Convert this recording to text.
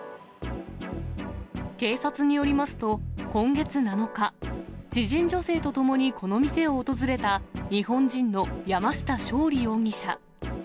警察によりますと、今月７日、知人女性と共にこの店を訪れた、日本人の山下勝鯉容疑者。